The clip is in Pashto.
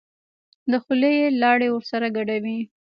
د خولې لاړې ورسره ګډوي.